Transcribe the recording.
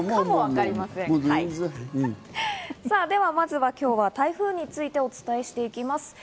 さあ、ではまずは今日は台風についてお伝えしていきます。